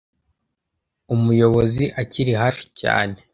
umuyobozi akiri hafi cyane